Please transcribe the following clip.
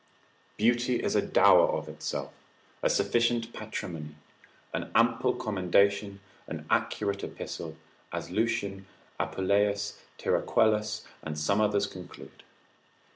Beauty is a dower of itself, a sufficient patrimony, an ample commendation, an accurate epistle, as Lucian, Apuleius, Tiraquellus, and some others conclude.